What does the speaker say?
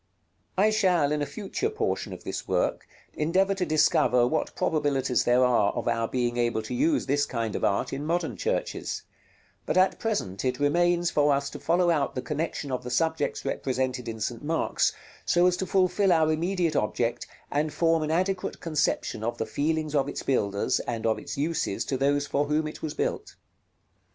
§ LXIV. I shall, in a future portion of this work, endeavor to discover what probabilities there are of our being able to use this kind of art in modern churches; but at present it remains for us to follow out the connexion of the subjects represented in St. Mark's so as to fulfil our immediate object, and form an adequate conception of the feelings of its builders, and of its uses to those for whom it was built.